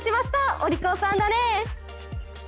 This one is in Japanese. お利口さんだね。